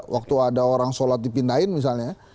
waktu ada orang sholat dipindahin misalnya